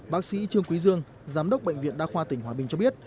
bác sĩ trương quý dương giám đốc bệnh viện đa khoa tỉnh hòa bình cho biết